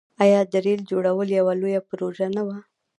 آیا د ریل جوړول یوه لویه پروژه نه وه؟